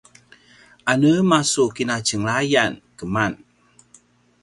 anema su kinatjenglay a keman?